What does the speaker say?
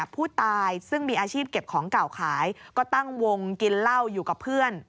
ผู้ตายซึ่งมีอาชีพเก็บของเก่าขายก็ตั้งวงกินเหล้าอยู่กับเพื่อน